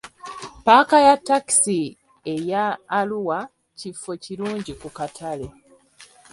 Paaka ya takisi eya Arua kifo kirungi ku katale.